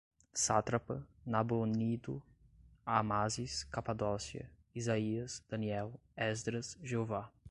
Sátrapa, Nabonido, Amásis, Capadócia, Isaías, Daniel, Esdras, Jeová